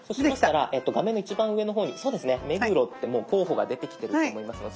画面の一番上の方にそうですね「目黒」ってもう候補が出てきてると思いますので。